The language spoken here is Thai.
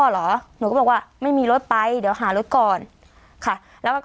เหรอหนูก็บอกว่าไม่มีรถไปเดี๋ยวหารถก่อนค่ะแล้วมันก็